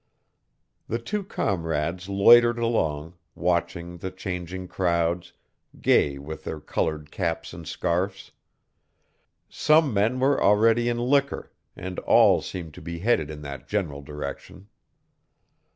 The two comrades loitered along, watching the changing crowds, gay with their colored caps and scarfs. Some men were already in liquor, and all seemed to be headed in that general direction.